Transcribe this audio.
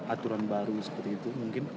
aturan baru seperti itu mungkin